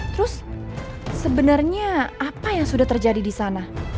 terus sebenarnya apa yang sudah terjadi di sana